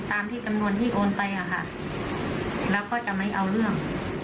ตามที่จำนวนที่โอนไปอะค่ะแล้วก็จะไม่เอาเรื่อง